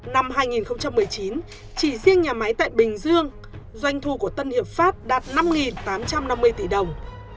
năm hai nghìn một mươi chín chỉ riêng nhà máy tại bình dương doanh thu của tân hiệp pháp đạt năm tám trăm năm mươi tỷ đồng